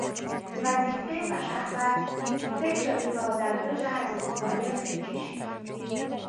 وظیفه و شهوت فکر او را در دو جهت مخالف میکشید.